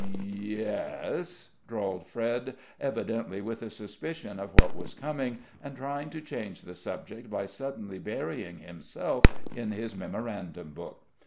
"Ye es," drawled Fred, evidently with a suspicion of what was coming, and trying to change the subject by suddenly burying himself in his memorandum book.